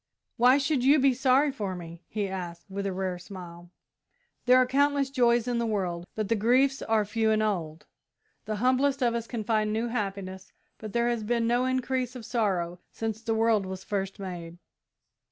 "Why should you be sorry for me?" he asked, with a rare smile. "There are countless joys in the world, but the griefs are few and old. The humblest of us can find new happiness, but there has been no increase of sorrow since the world was first made.